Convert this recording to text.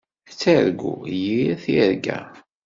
Ad targu yir tirga.